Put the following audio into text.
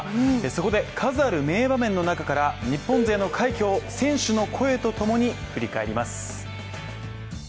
そこで数ある名場面の中から日本勢の快挙を選手の声とともに振り返ります。